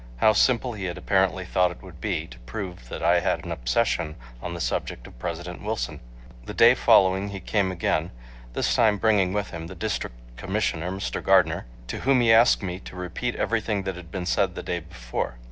How simple he had apparently thought it would be, to prove that I had an obsession on the subject of President Wilson! The day following he came again, this time bringing with him the District Commissioner, Mr. Gardner, to whom he asked me to repeat everything that had been said the day before.